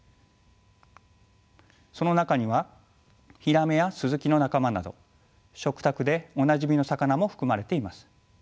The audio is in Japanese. その中にはヒラメやスズキの仲間など食卓でおなじみの魚も含まれています。